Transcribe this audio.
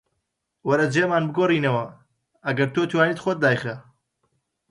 وەرە جێمان بگۆڕینەوە، ئەگەر تۆ توانیت خۆت دایخە